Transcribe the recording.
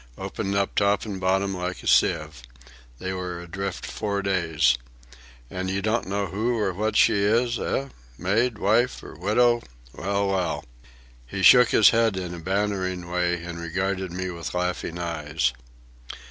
Opened up top and bottom like a sieve. They were adrift four days. And you don't know who or what she is, eh?—maid, wife, or widow? Well, well." He shook his head in a bantering way, and regarded me with laughing eyes.